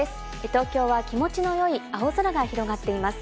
東京は気持ちの良い青空が広がっています。